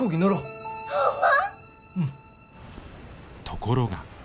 ところが。